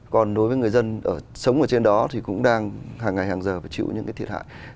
còn đối với người dân sống ở trên đó thì cũng đang hàng ngày hàng giờ phải chịu những cái thiệt hại